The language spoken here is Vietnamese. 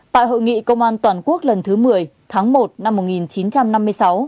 tại hội nghị công an toàn quốc lần thứ một mươi tháng một năm một nghìn chín trăm năm mươi sáu